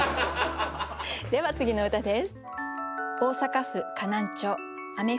では次の歌です。